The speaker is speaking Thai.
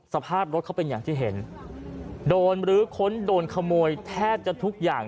สภาพรถเขาเป็นอย่างที่เห็นโดนลื้อค้นโดนขโมยแทบจะทุกอย่าง